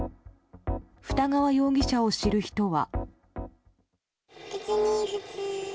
二川容疑者を知る人は。